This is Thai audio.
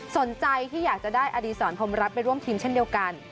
สนใจที่อยากจะได้อดีศรพรมรัฐไปร่วมทีมเช่นเดียวกัน